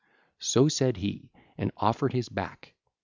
65 81) So said he, and offered his back.